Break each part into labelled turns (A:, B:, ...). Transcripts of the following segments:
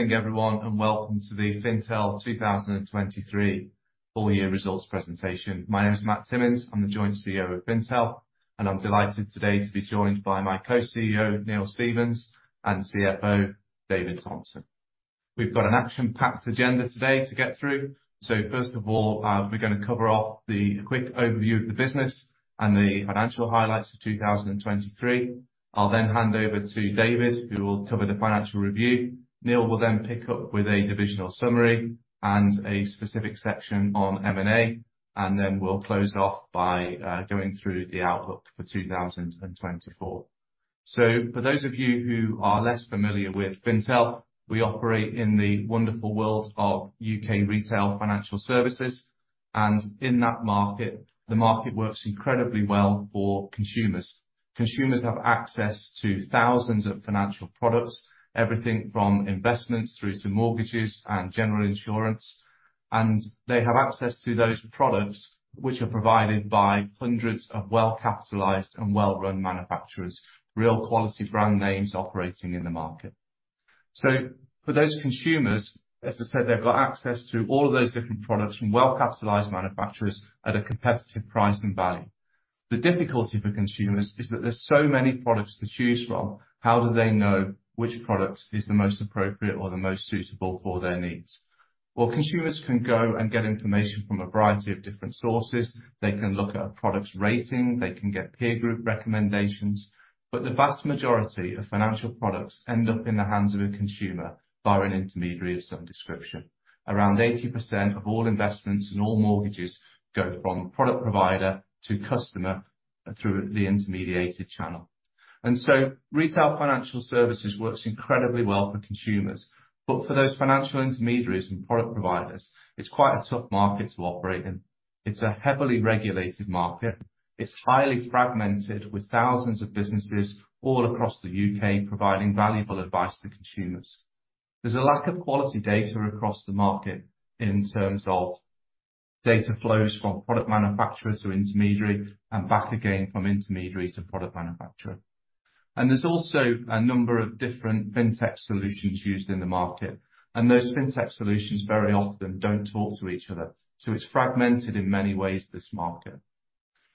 A: Good morning, everyone, and welcome to the Fintel 2023 full-year results presentation. My name's Matt Timmins. I'm the Joint CEO of Fintel, and I'm delighted today to be joined by my co-CEO, Neil Stevens, and CFO, David Thompson. We've got an action-packed agenda today to get through, so first of all, we're going to cover off the quick overview of the business and the financial highlights for 2023. I'll then hand over to David, who will cover the financial review. Neil will then pick up with a divisional summary and a specific section on M&A, and then we'll close off by going through the outlook for 2024. So for those of you who are less familiar with Fintel, we operate in the wonderful world of U.K. retail financial services, and in that market, the market works incredibly well for consumers. Consumers have access to thousands of financial products, everything from investments through to mortgages and general insurance, and they have access to those products which are provided by hundreds of well-capitalized and well-run manufacturers, real-quality brand names operating in the market. So for those consumers, as I said, they've got access to all of those different products from well-capitalized manufacturers at a competitive price and value. The difficulty for consumers is that there's so many products to choose from. How do they know which product is the most appropriate or the most suitable for their needs? Well, consumers can go and get information from a variety of different sources. They can look at a product's rating. They can get peer group recommendations. But the vast majority of financial products end up in the hands of a consumer via an intermediary of some description. Around 80% of all investments and all mortgages go from product provider to customer through the intermediated channel. So retail financial services works incredibly well for consumers, but for those financial intermediaries and product providers, it's quite a tough market to operate in. It's a heavily regulated market. It's highly fragmented with thousands of businesses all across the U.K. providing valuable advice to consumers. There's a lack of quality data across the market in terms of data flows from product manufacturer to intermediary and back again from intermediary to product manufacturer. And there's also a number of different Fintech solutions used in the market, and those Fintech solutions very often don't talk to each other, so it's fragmented in many ways, this market.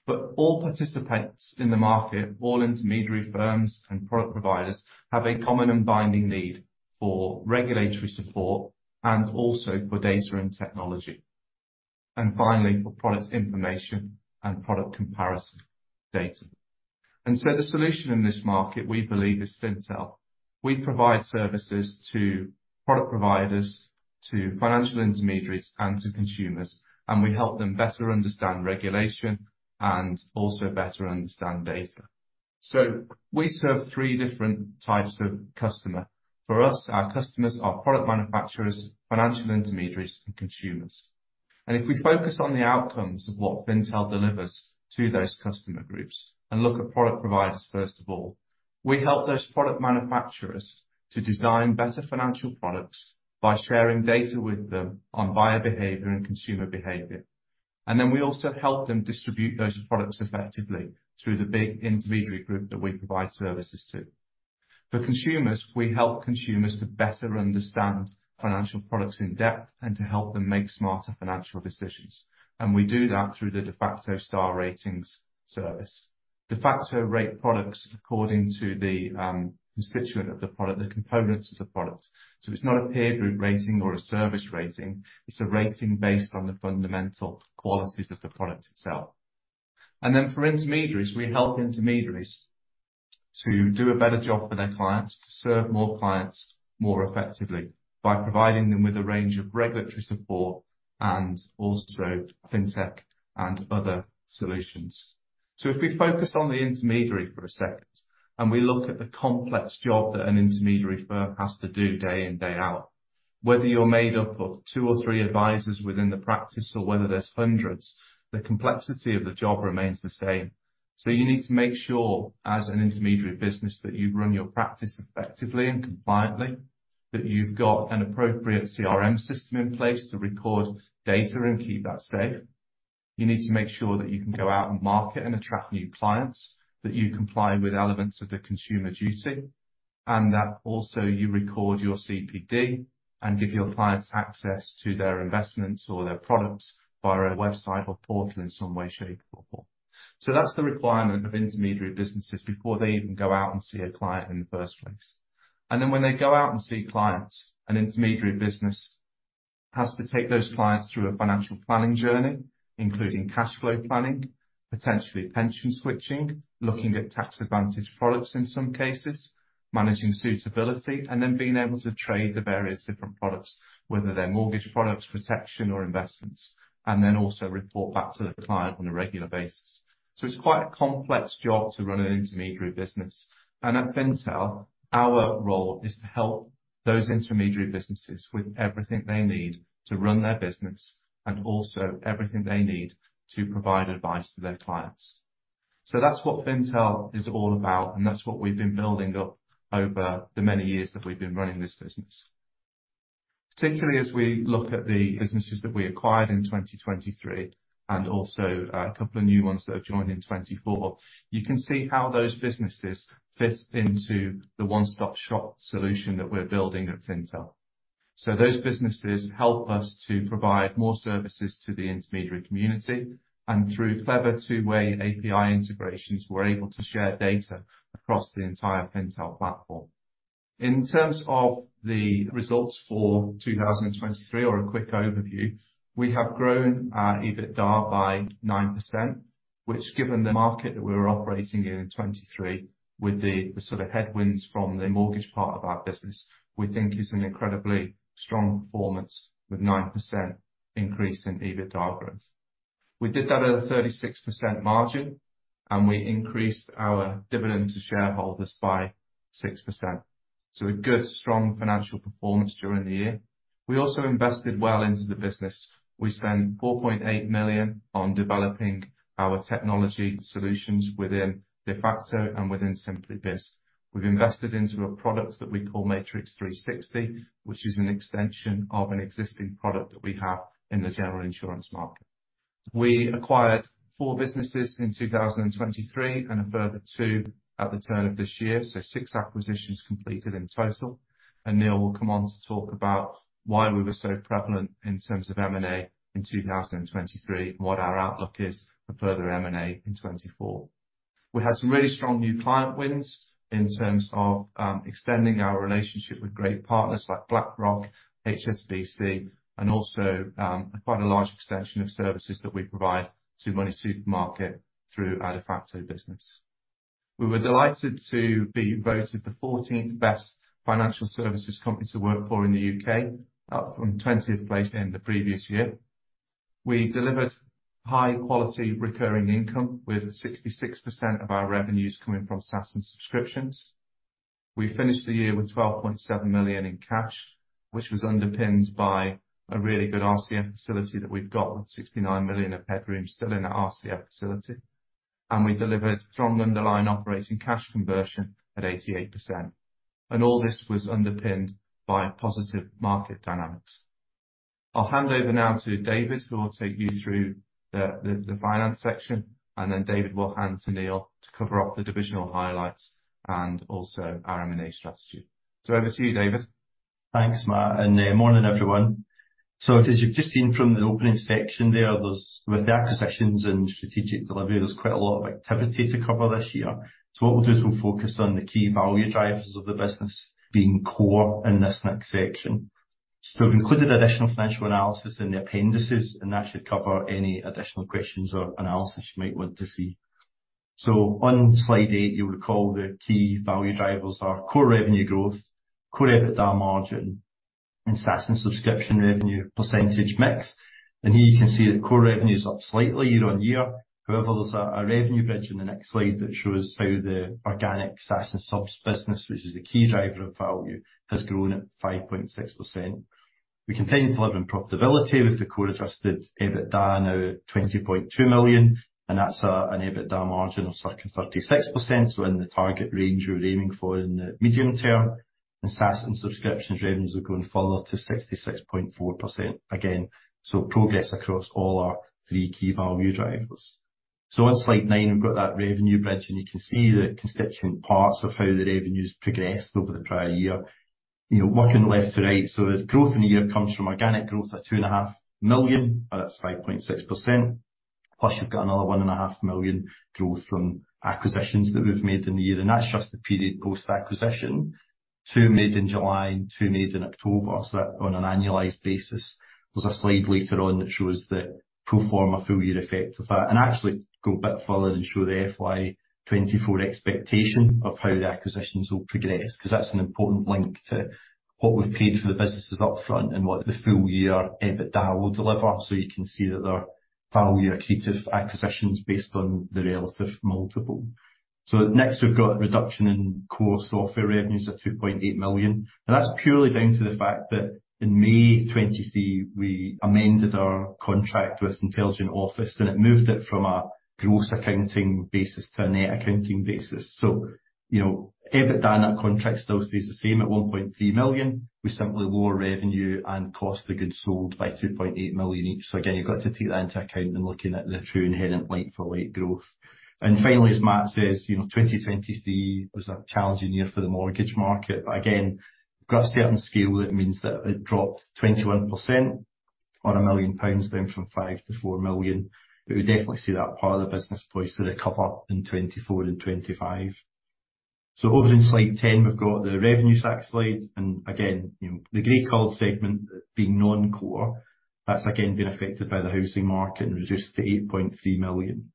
A: But all participants in the market, all intermediary firms and product providers, have a common and binding need for regulatory support and also for data and technology. And finally, for product information and product comparison data. And so the solution in this market, we believe, is Fintel. We provide services to product providers, to financial intermediaries, and to consumers, and we help them better understand regulation and also better understand data. So we serve three different types of customer. For us, our customers are product manufacturers, financial intermediaries, and consumers. And if we focus on the outcomes of what Fintel delivers to those customer groups and look at product providers, first of all, we help those product manufacturers to design better financial products by sharing data with them on buyer behavior and consumer behavior. Then we also help them distribute those products effectively through the big intermediary group that we provide services to. For consumers, we help consumers to better understand financial products in depth and to help them make smarter financial decisions. And we do that through the Defaqto Star Ratings service. Defaqto rates products according to the constituents of the product, the components of the product. So it's not a peer group rating or a service rating. It's a rating based on the fundamental qualities of the product itself. And then for intermediaries, we help intermediaries to do a better job for their clients, to serve more clients more effectively by providing them with a range of regulatory support and also Fintech and other solutions. So if we focus on the intermediary for a second and we look at the complex job that an intermediary firm has to do day in, day out, whether you're made up of two or three advisors within the practice or whether there's hundreds, the complexity of the job remains the same. So you need to make sure, as an intermediary business, that you run your practice effectively and compliantly, that you've got an appropriate CRM system in place to record data and keep that safe. You need to make sure that you can go out and market and attract new clients, that you comply with elements of the Consumer Duty, and that also you record your CPD and give your clients access to their investments or their products via a website or portal in some way, shape, or form. So that's the requirement of intermediary businesses before they even go out and see a client in the first place. And then when they go out and see clients, an intermediary business has to take those clients through a financial planning journey, including cash flow planning, potentially pension switching, looking at tax-advantaged products in some cases, managing suitability, and then being able to trade the various different products, whether they're mortgage products, protection, or investments, and then also report back to the client on a regular basis. So it's quite a complex job to run an intermediary business. And at Fintel, our role is to help those intermediary businesses with everything they need to run their business and also everything they need to provide advice to their clients. So that's what Fintel is all about, and that's what we've been building up over the many years that we've been running this business. Particularly as we look at the businesses that we acquired in 2023 and also a couple of new ones that have joined in 2024, you can see how those businesses fit into the one-stop shop solution that we're building at Fintel. So those businesses help us to provide more services to the intermediary community, and through clever two-way API integrations, we're able to share data across the entire Fintel platform. In terms of the results for 2023, or a quick overview, we have grown EBITDA by 9%, which, given the market that we were operating in in 2023 with the sort of headwinds from the mortgage part of our business, we think is an incredibly strong performance with 9% increase in EBITDA growth. We did that at a 36% margin, and we increased our dividend to shareholders by 6%. So a good, strong financial performance during the year. We also invested well into the business. We spent 4.8 million on developing our technology solutions within Defaqto and within SimplyBiz. We've invested into a product that we call Matrix 360, which is an extension of an existing product that we have in the general insurance market. We acquired four businesses in 2023 and a further two at the turn of this year, so six acquisitions completed in total. And Neil will come on to talk about why we were so prevalent in terms of M&A in 2023 and what our outlook is for further M&A in 2024. We had some really strong new client wins in terms of extending our relationship with great partners like BlackRock, HSBC, and also quite a large extension of services that we provide to MoneySuperMarket through our Defaqto business. We were delighted to be voted the 14th best financial services company to work for in the UK, up from 20th place in the previous year. We delivered high-quality recurring income with 66% of our revenues coming from SaaS and subscriptions. We finished the year with 12.7 million in cash, which was underpinned by a really good RCF facility that we've got with 69 million of headroom still in our RCF facility. And we delivered strong underlying operating cash conversion at 88%. And all this was underpinned by positive market dynamics. I'll hand over now to David, who will take you through the finance section, and then David will hand to Neil to cover off the divisional highlights and also our M&A strategy. So over to you, David.
B: Thanks, Mark. Morning everyone. As you've just seen from the opening section there, with the acquisitions and strategic delivery, there's quite a lot of activity to cover this year. What we'll do is we'll focus on the key value drivers of the business being core in this next section. We've included additional financial analysis in the appendices, and that should cover any additional questions or analysis you might want to see. On slide 8, you'll recall the key value drivers are core revenue growth, core EBITDA margin, and SaaS and subscription revenue percentage mix. Here you can see that core revenue is up slightly year-on-year. However, there's a revenue bridge in the next slide that shows how the organic SaaS and subs business, which is the key driver of value, has grown at 5.6%. We continue to deliver on profitability with the core adjusted EBITDA now at 20.2 million, and that's an EBITDA margin of circa 36%, so in the target range we're aiming for in the medium term. SaaS and subscriptions revenues are going further to 66.4% again, so progress across all our three key value drivers. On slide 9, we've got that revenue bridge, and you can see the constituent parts of how the revenues progressed over the prior year. You know, working left to right, so the growth in the year comes from organic growth at 2.5 million, and that's 5.6%. Plus, you've got another 1.5 million growth from acquisitions that we've made in the year, and that's just the period post-acquisition. Two made in July, two made in October, so that on an annualized basis. There's a slide later on that shows the pro forma full-year effect of that, and actually go a bit further and show the FY24 expectation of how the acquisitions will progress, because that's an important link to what we've paid for the businesses upfront and what the full-year EBITDA will deliver. So you can see that there are value accretive acquisitions based on the relative multiple. So next, we've got reduction in core software revenues at 2.8 million, and that's purely down to the fact that in May 2023, we amended our contract with Intelligent Office, and it moved it from a gross accounting basis to a net accounting basis. So, you know, EBITDA in that contract still stays the same at 1.3 million. We simply lower revenue and cost of goods sold by 2.8 million each. So again, you've got to take that into account and looking at the true inherent like-for-like growth. Finally, as Matt says, you know, 2023 was a challenging year for the mortgage market, but again, we've got a certain scale that means that it dropped 21% or 1 million pounds down from 5 million to 4 million. But we definitely see that part of the business poised to recover in 2024 and 2025. Over in slide 10, we've got the revenue stack slide, and again, you know, the gray card segment being non-core. That's again been affected by the housing market and reduced to 8.3 million.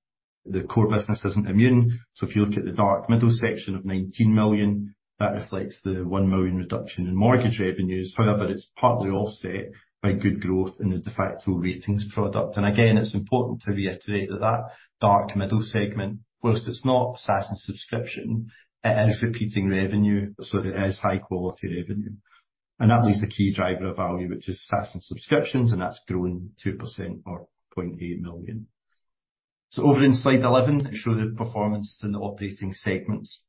B: The core business isn't immune, so if you look at the dark middle section of 19 million, that reflects the 1 million reduction in mortgage revenues. However, it's partly offset by good growth in the Defaqto Ratings product. Again, it's important to reiterate that that dark middle segment, while it's not SaaS and subscription, it is repeating revenue, so it is high-quality revenue. That leads to the key driver of value, which is SaaS and subscriptions, and that's grown 2% or 0.8 million. Over in slide 11, it shows the performance in the operating segments.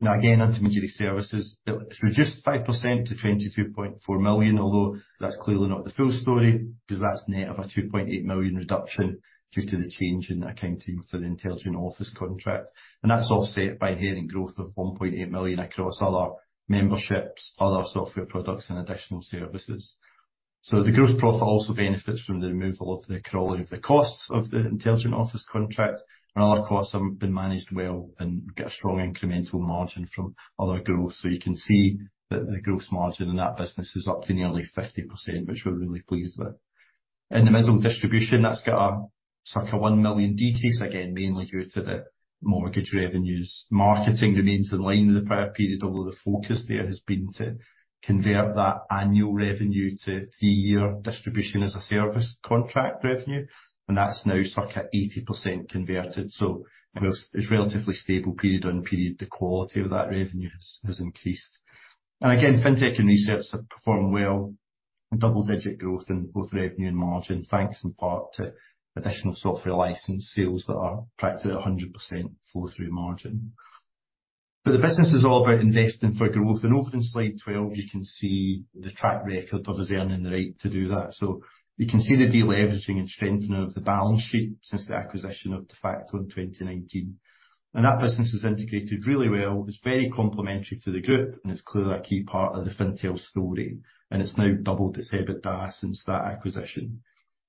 B: Now again, intermediary services, it's reduced 5% to 22.4 million, although that's clearly not the full story, because that's net of a 2.8 million reduction due to the change in accounting for the Intelligent Office contract. That's offset by inherent growth of 1.8 million across other memberships, other software products, and additional services. The gross profit also benefits from the removal of the accrual of the costs of the Intelligent Office contract, and other costs have been managed well and get a strong incremental margin from other growth. So you can see that the gross margin in that business is up to nearly 50%, which we're really pleased with. In the middle distribution, that's got a circa 1 million decrease, again, mainly due to the mortgage revenues. Marketing remains in line with the prior period, although the focus there has been to convert that annual revenue to 3-year distribution as a service contract revenue, and that's now circa 80% converted. So it's a relatively stable period-over-period. The quality of that revenue has increased. And again, fintech and research have performed well. Double-digit growth in both revenue and margin, thanks in part to additional software license sales that are practically 100% flow-through margin. But the business is all about investing for growth, and over in slide 12, you can see the track record of us earning the right to do that. So you can see the deleveraging and strengthening of the balance sheet since the acquisition of Defaqto in 2019. That business is integrated really well. It's very complementary to the group, and it's clearly a key part of the Fintel story, and it's now doubled its EBITDA since that acquisition.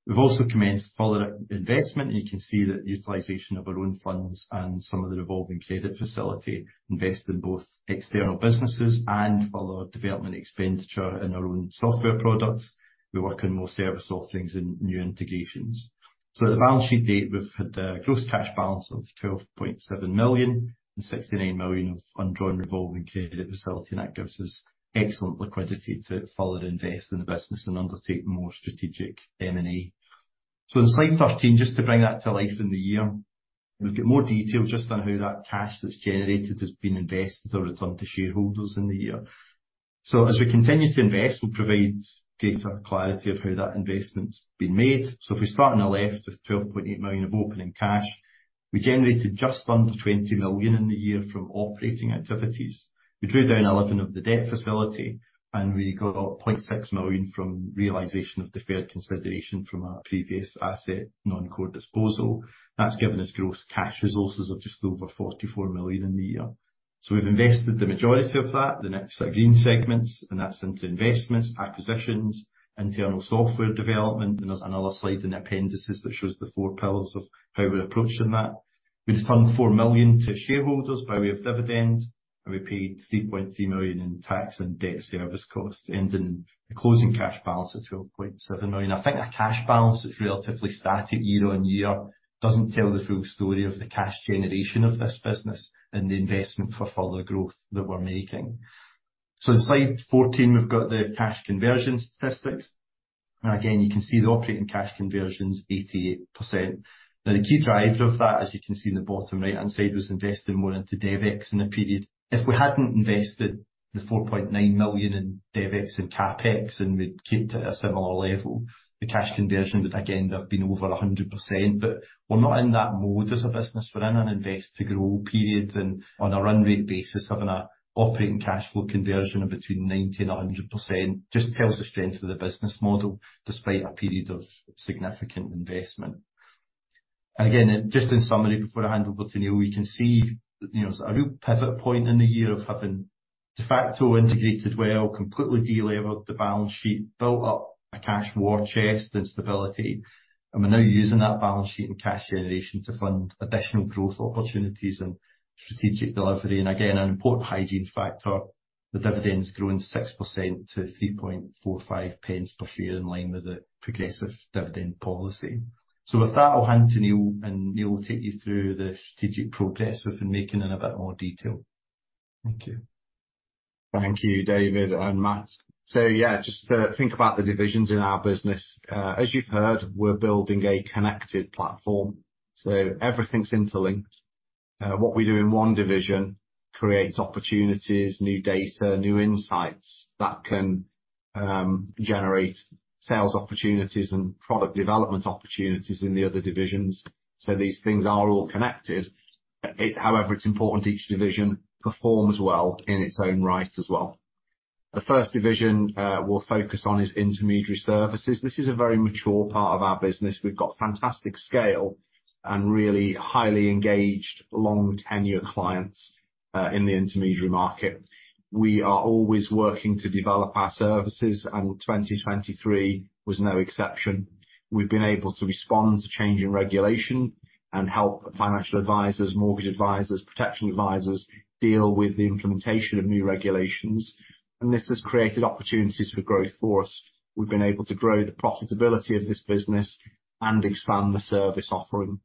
B: We've also commenced further investment, and you can see that utilization of our own funds and some of the revolving credit facility invest in both external businesses and further development expenditure in our own software products. We work on more service offerings and new integrations. So at the balance sheet date, we've had a gross cash balance of 12.7 million and 69 million of undrawn revolving credit facility, and that gives us excellent liquidity to further invest in the business and undertake more strategic M&A. So in slide 13, just to bring that to life in the year, we've got more detail just on how that cash that's generated has been invested or returned to shareholders in the year. So as we continue to invest, we'll provide greater clarity of how that investment's been made. So if we start on the left with 12.8 million of opening cash, we generated just under 20 million in the year from operating activities. We drew down 11% of the debt facility, and we got 0.6 million from realization of deferred consideration from a previous asset non-core disposal. That's given us gross cash resources of just over 44 million in the year. So we've invested the majority of that, the next green segments, and that's into investments, acquisitions, internal software development, and there's another slide in the appendices that shows the four pillars of how we're approaching that. We returned 4 million to shareholders by way of dividend, and we paid 3.3 million in tax and debt service costs, ending the closing cash balance at 12.7 million. I think the cash balance is relatively static year-on-year. It doesn't tell the full story of the cash generation of this business and the investment for further growth that we're making. So in slide 14, we've got the cash conversion statistics. And again, you can see the operating cash conversions, 88%. Now the key driver of that, as you can see in the bottom right-hand side, was investing more into DevEx in a period. If we hadn't invested the 4.9 million in DevEx and CapEx, and we'd keep to a similar level, the cash conversion would again have been over 100%. But we're not in that mode as a business. We're in an invest-to-grow period, and on a run-rate basis, having an operating cash flow conversion of between 90% and 100% just tells the strength of the business model, despite a period of significant investment. Again, just in summary, before I hand over to Neil, we can see, you know, a real pivot point in the year of having Defaqto integrated well, completely deleveraged the balance sheet, built up a cash war chest and stability. And we're now using that balance sheet and cash generation to fund additional growth opportunities and strategic delivery. And again, an important hygiene factor, the dividends growing 6% to 0.0345 per share in line with the progressive dividend policy. So with that, I'll hand to Neil, and Neil will take you through the strategic progress we've been making in a bit more detail. Thank you.
C: Thank you, David and Matt. So yeah, just to think about the divisions in our business, as you've heard, we're building a connected platform. Everything's interlinked. What we do in one division creates opportunities, new data, new insights that can generate sales opportunities and product development opportunities in the other divisions. These things are all connected. However, it's important each division performs well in its own right as well. The first division we'll focus on is intermediary services. This is a very mature part of our business. We've got fantastic scale and really highly engaged long-tenure clients in the intermediary market. We are always working to develop our services, and 2023 was no exception. We've been able to respond to changing regulation and help financial advisors, mortgage advisors, protection advisors deal with the implementation of new regulations. This has created opportunities for growth for us. We've been able to grow the profitability of this business and expand the service offering.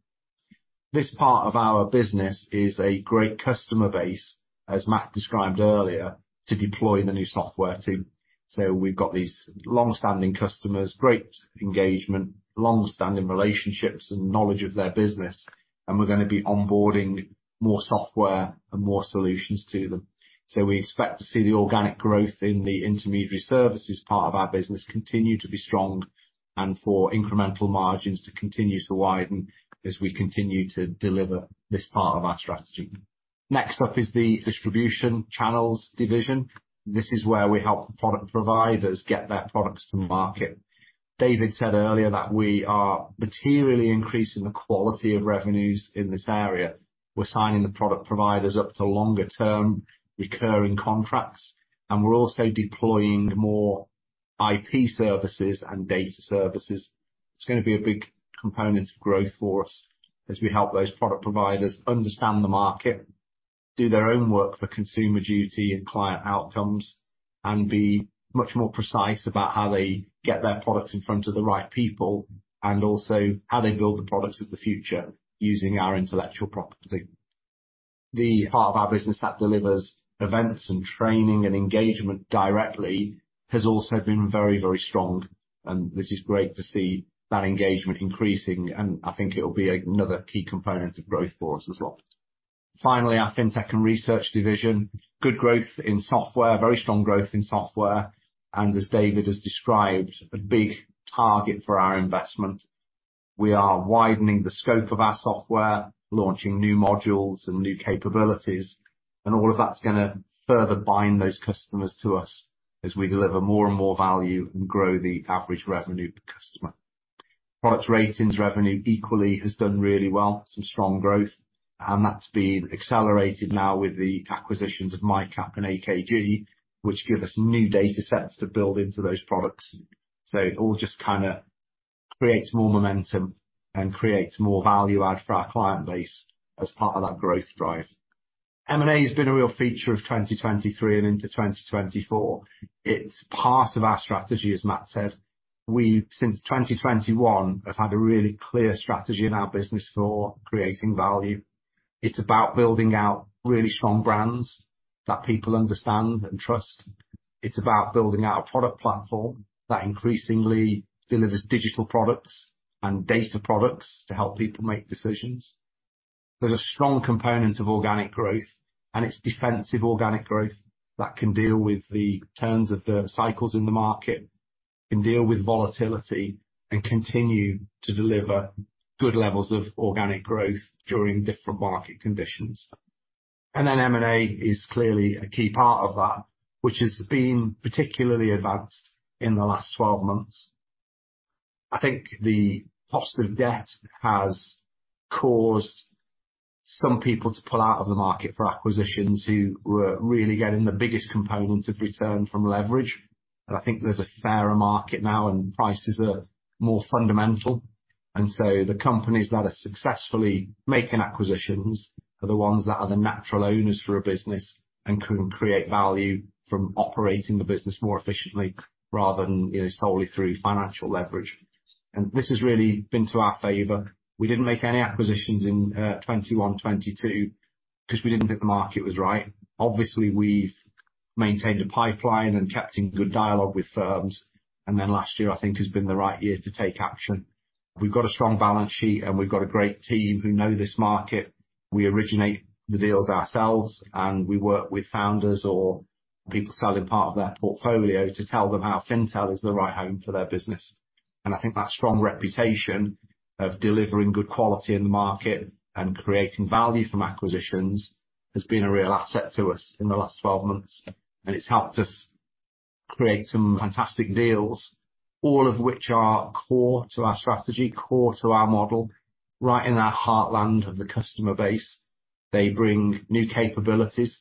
C: This part of our business is a great customer base, as Matt described earlier, to deploy the new software to. So we've got these long-standing customers, great engagement, long-standing relationships, and knowledge of their business, and we're going to be onboarding more software and more solutions to them. So we expect to see the organic growth in the intermediary services part of our business continue to be strong, and for incremental margins to continue to widen as we continue to deliver this part of our strategy. Next up is the distribution channels division. This is where we help product providers get their products to market. David said earlier that we are materially increasing the quality of revenues in this area. We're signing the product providers up to longer-term recurring contracts, and we're also deploying more IP services and data services. It's going to be a big component of growth for us as we help those product providers understand the market, do their own work for Consumer Duty and client outcomes, and be much more precise about how they get their products in front of the right people, and also how they build the products of the future using our intellectual property. The part of our business that delivers events and training and engagement directly has also been very, very strong, and this is great to see that engagement increasing, and I think it'll be another key component of growth for us as well. Finally, our fintech and research division, good growth in software, very strong growth in software, and as David has described, a big target for our investment. We are widening the scope of our software, launching new modules and new capabilities, and all of that's going to further bind those customers to us as we deliver more and more value and grow the average revenue per customer. Product ratings. Revenue equally has done really well, some strong growth, and that's been accelerated now with the acquisitions of MICAP and AKG, which give us new data sets to build into those products. So it all just kind of creates more momentum and creates more value add for our client base as part of that growth drive. M&A has been a real feature of 2023 and into 2024. It's part of our strategy, as Matt said. We, since 2021, have had a really clear strategy in our business for creating value. It's about building out really strong brands that people understand and trust. It's about building out a product platform that increasingly delivers digital products and data products to help people make decisions. There's a strong component of organic growth, and it's defensive organic growth that can deal with the turns of the cycles in the market, can deal with volatility, and continue to deliver good levels of organic growth during different market conditions. And then M&A is clearly a key part of that, which has been particularly advanced in the last 12 months. I think the positive debt has caused some people to pull out of the market for acquisitions who were really getting the biggest components of return from leverage. And I think there's a fairer market now, and prices are more fundamental. So the companies that are successfully making acquisitions are the ones that are the natural owners for a business and can create value from operating the business more efficiently rather than, you know, solely through financial leverage. This has really been to our favor. We didn't make any acquisitions in 2021, 2022 because we didn't think the market was right. Obviously, we've maintained a pipeline and kept in good dialogue with firms. Then last year, I think, has been the right year to take action. We've got a strong balance sheet, and we've got a great team who know this market. We originate the deals ourselves, and we work with founders or people selling part of their portfolio to tell them how Fintel is the right home for their business. I think that strong reputation of delivering good quality in the market and creating value from acquisitions has been a real asset to us in the last 12 months, and it's helped us create some fantastic deals, all of which are core to our strategy, core to our model, right in our heartland of the customer base. They bring new capabilities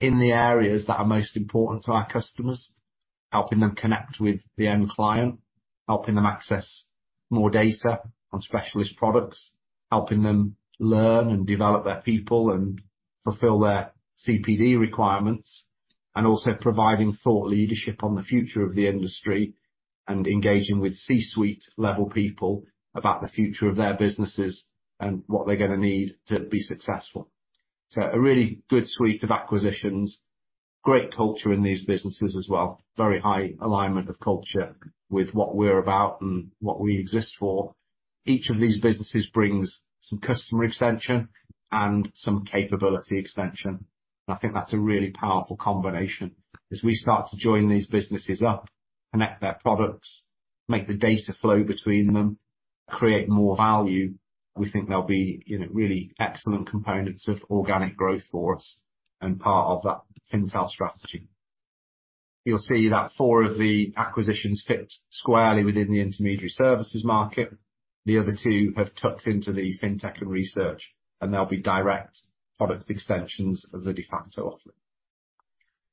C: in the areas that are most important to our customers, helping them connect with the end client, helping them access more data on specialist products, helping them learn and develop their people and fulfill their CPD requirements, and also providing thought leadership on the future of the industry and engaging with C-suite level people about the future of their businesses and what they're going to need to be successful. So a really good suite of acquisitions, great culture in these businesses as well, very high alignment of culture with what we're about and what we exist for. Each of these businesses brings some customer extension and some capability extension. And I think that's a really powerful combination. As we start to join these businesses up, connect their products, make the data flow between them, create more value, we think there'll be, you know, really excellent components of organic growth for us and part of that Fintel strategy. You'll see that four of the acquisitions fit squarely within the intermediary services market. The other two have tucked into the fintech and research, and they'll be direct product extensions of the Defaqto offering.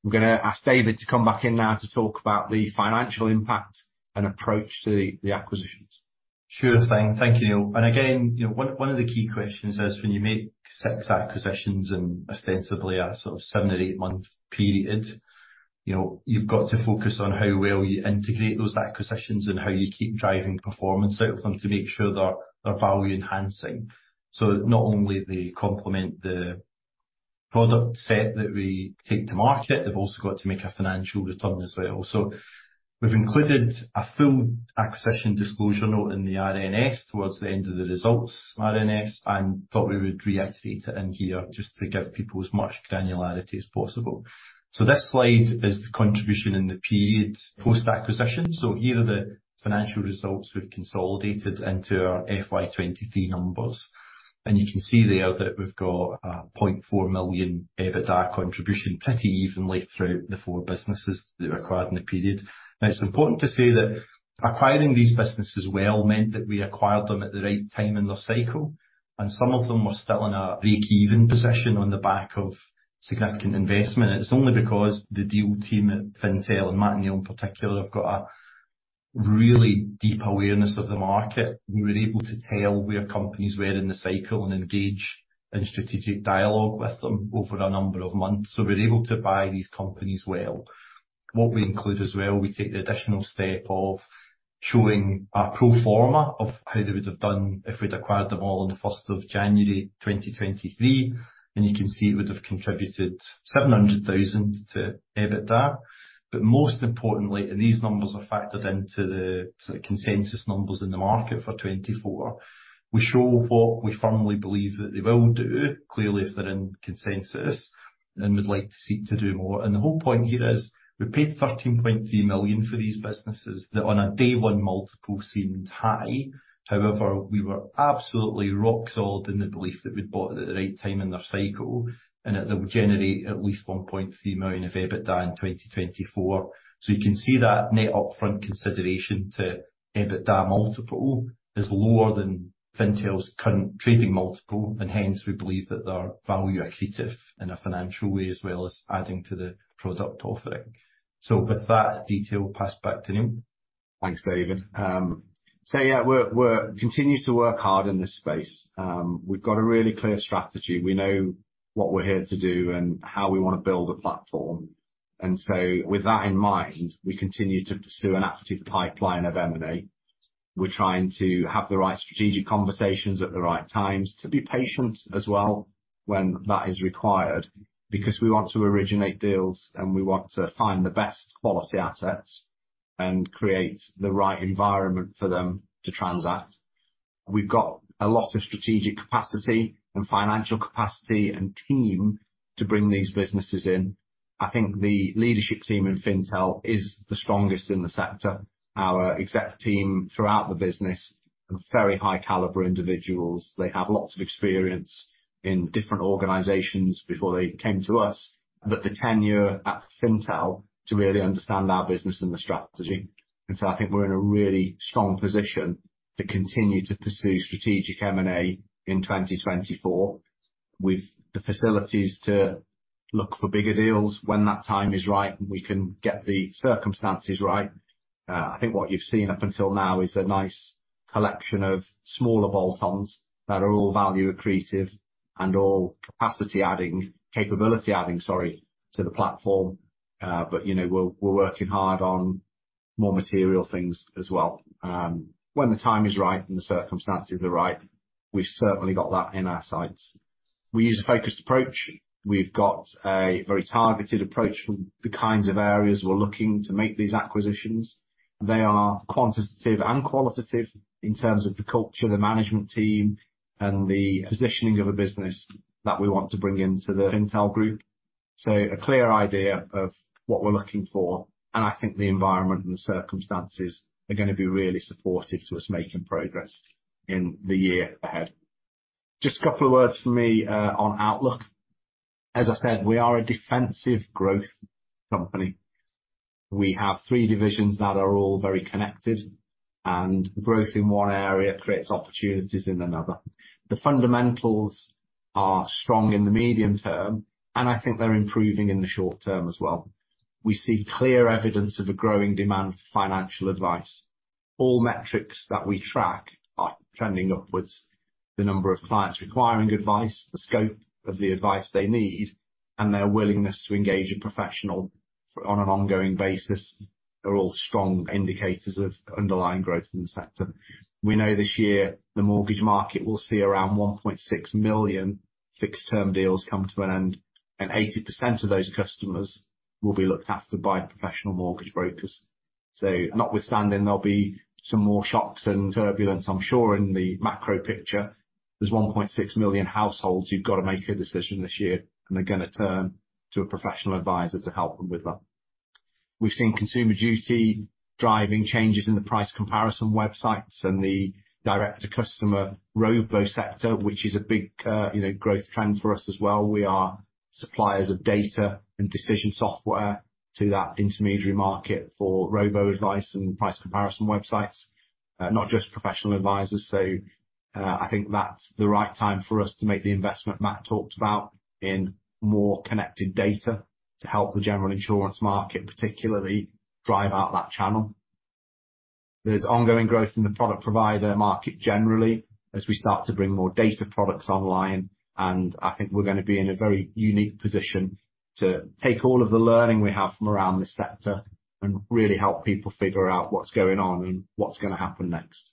C: I'm going to ask David to come back in now to talk about the financial impact and approach to the acquisitions.
B: Sure thing. Thank you, Neil. And again, you know, one of the key questions is when you make 6 acquisitions and ostensibly a sort of 7- or 8-month period, you know, you've got to focus on how well you integrate those acquisitions and how you keep driving performance out of them to make sure they're value-enhancing. So not only do they complement the product set that we take to market, they've also got to make a financial return as well. So we've included a full acquisition disclosure note in the RNS towards the end of the results, RNS, and thought we would reiterate it in here just to give people as much granularity as possible. So this slide is the contribution in the period post-acquisition. So here are the financial results we've consolidated into our FY23 numbers. You can see there that we've got a 0.4 million EBITDA contribution pretty evenly throughout the four businesses that were acquired in the period. Now, it's important to say that acquiring these businesses well meant that we acquired them at the right time in the cycle, and some of them were still in a break-even position on the back of significant investment. It's only because the deal team at Fintel and Matt and Neil in particular have got a really deep awareness of the market. We were able to tell where companies were in the cycle and engage in strategic dialogue with them over a number of months. So we're able to buy these companies well. What we include as well, we take the additional step of showing a pro forma of how they would have done if we'd acquired them all on the 1st of January, 2023. You can see it would have contributed 700,000 to EBITDA. But most importantly, these numbers are factored into the sort of consensus numbers in the market for 2024. We show what we firmly believe that they will do, clearly if they're in consensus, and would like to seek to do more. The whole point here is we paid 13.3 million for these businesses that on a day one multiple seemed high. However, we were absolutely rock-solid in the belief that we'd bought it at the right time in their cycle, and that they would generate at least 1.3 million of EBITDA in 2024. You can see that net upfront consideration to EBITDA multiple is lower than Fintel's current trading multiple, and hence we believe that they're value value accretive in a financial way as well as adding to the product offering. With that detail, pass back to Neil.
C: Thanks, David. So yeah, we're continuing to work hard in this space. We've got a really clear strategy. We know what we're here to do and how we want to build a platform. And so with that in mind, we continue to pursue an active pipeline of M&A. We're trying to have the right strategic conversations at the right times, to be patient as well when that is required, because we want to originate deals and we want to find the best quality assets and create the right environment for them to transact. We've got a lot of strategic capacity and financial capacity and team to bring these businesses in. I think the leadership team in Fintel is the strongest in the sector, our exec team throughout the business, and very high caliber individuals. They have lots of experience in different organizations before they came to us, but the tenure at Fintel to really understand our business and the strategy. So I think we're in a really strong position to continue to pursue strategic M&A in 2024 with the facilities to look for bigger deals when that time is right and we can get the circumstances right. I think what you've seen up until now is a nice collection of smaller bolt-ons that are all value-accretive and all capacity-adding, capability-adding, sorry, to the platform. But, you know, we're working hard on more material things as well. When the time is right and the circumstances are right, we've certainly got that in our sights. We use a focused approach. We've got a very targeted approach from the kinds of areas we're looking to make these acquisitions. They are quantitative and qualitative in terms of the culture, the management team, and the positioning of a business that we want to bring into the Fintel group. So a clear idea of what we're looking for, and I think the environment and the circumstances are going to be really supportive to us making progress in the year ahead. Just a couple of words from me on outlook. As I said, we are a defensive growth company. We have three divisions that are all very connected, and growth in one area creates opportunities in another. The fundamentals are strong in the medium term, and I think they're improving in the short term as well. We see clear evidence of a growing demand for financial advice. All metrics that we track are trending upwards. The number of clients requiring advice, the scope of the advice they need, and their willingness to engage a professional on an ongoing basis are all strong indicators of underlying growth in the sector. We know this year the mortgage market will see around 1.6 million fixed-term deals come to an end, and 80% of those customers will be looked after by professional mortgage brokers. So notwithstanding, there'll be some more shocks and turbulence, I'm sure, in the macro picture. There's 1.6 million households who've got to make a decision this year, and they're going to turn to a professional advisor to help them with that. We've seen Consumer Duty driving changes in the price comparison websites and the direct-to-customer robo sector, which is a big, you know, growth trend for us as well. We are suppliers of data and decision software to that intermediary market for robo advice and price comparison websites, not just professional advisors. So I think that's the right time for us to make the investment Matt talked about in more connected data to help the general insurance market particularly drive out that channel. There's ongoing growth in the product provider market generally as we start to bring more data products online. And I think we're going to be in a very unique position to take all of the learning we have from around the sector and really help people figure out what's going on and what's going to happen next.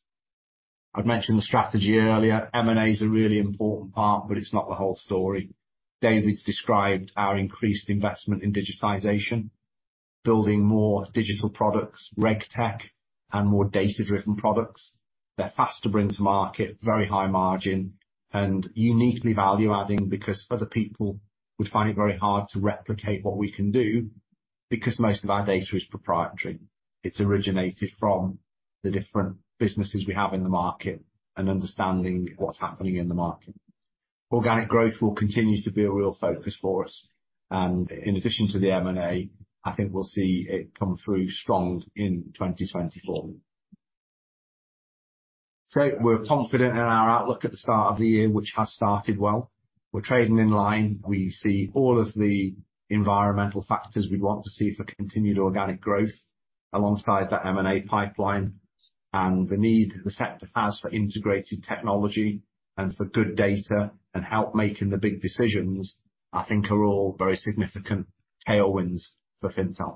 C: I'd mentioned the strategy earlier. M&A is a really important part, but it's not the whole story. David's described our increased investment in digitization, building more digital products, reg tech, and more data-driven products. They're faster to bring to market, very high margin, and uniquely value-adding because other people would find it very hard to replicate what we can do because most of our data is proprietary. It's originated from the different businesses we have in the market and understanding what's happening in the market. Organic growth will continue to be a real focus for us. And in addition to the M&A, I think we'll see it come through strong in 2024. So we're confident in our outlook at the start of the year, which has started well. We're trading in line. We see all of the environmental factors we'd want to see for continued organic growth alongside that M&A pipeline and the need the sector has for integrated technology and for good data and help making the big decisions, I think, are all very significant tailwinds for Fintel.